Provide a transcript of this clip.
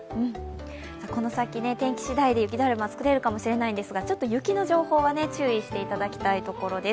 この先、天気しだいで雪だるま作れるかもしれないんですがちょっと雪の情報は注意していただきたいところです。